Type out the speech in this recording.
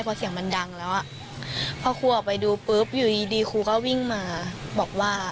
พอเสียงมันดังแล้วอ่ะพอครูออกไปดูปุ๊บอยู่ดีดีครูก็วิ่งมาบอกว่า